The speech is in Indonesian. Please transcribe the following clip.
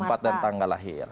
tempat dan tanggal lahir